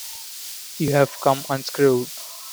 You've come unscrewed.